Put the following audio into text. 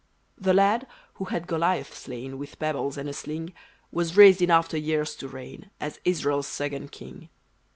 The lad, who had Goliath slain With pebbles and a sling, Was raised in after years to reign As Israel's second king!